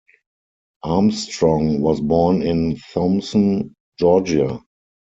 Armstrong was born in Thomson, Georgia.